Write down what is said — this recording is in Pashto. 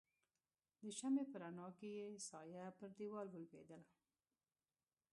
د شمعې په رڼا کې يې سایه پر دیوال ولوېدل.